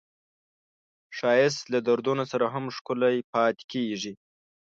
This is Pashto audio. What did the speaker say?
ښایست له دردونو سره هم ښکلی پاتې کېږي